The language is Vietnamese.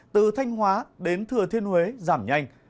từ thanh hóa đến thừa thiên huế giảm nhanh